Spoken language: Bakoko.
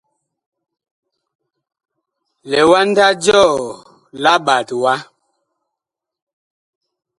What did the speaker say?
Liwanda jɔɔ la ɓat wa.